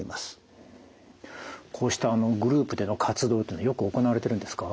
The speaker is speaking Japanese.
こうしたグループでの活動というのはよく行われてるんですか？